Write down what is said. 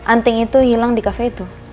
anting itu hilang di kafe itu